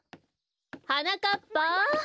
はなかっぱ。